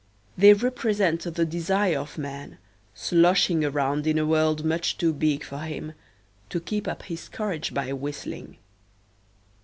They represent the desire of man, sloshing around in a world much too big for him, to keep up his courage by whistling.